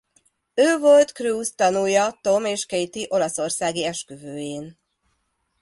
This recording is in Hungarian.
Ő volt Cruise tanúja Tom és Katie olaszországi esküvőjén.